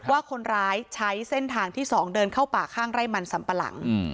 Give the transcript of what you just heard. ว่าคนร้ายใช้เส้นทางที่๒เดินเข้าป่าข้างไร่มันสัมปะหลัง